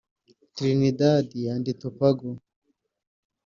Trinidad and Tobago